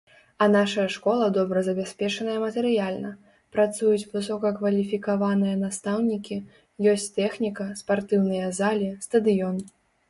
А нашая школа добра забяспечаная матэрыяльна, працуюць высокакваліфікаваныя настаўнікі, ёсць тэхніка, спартыўныя залі, стадыён.